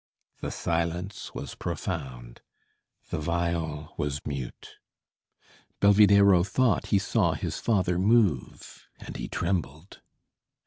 The silence was profound, the viol was mute. Belvidéro thought he saw his father move, and he trembled.